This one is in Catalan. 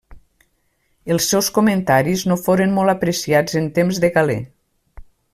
Els seus comentaris no foren molt apreciats en temps de Galè.